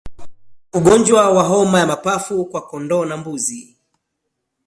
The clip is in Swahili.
Ugonjwa wa homa ya mapafu kwa kondoo na mbuzi